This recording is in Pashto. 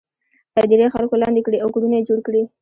هدیرې خلکو لاندې کړي او کورونه یې جوړ کړي.